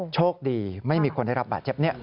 โชคดีไม่มีคนได้รับบาดเจ็บนี้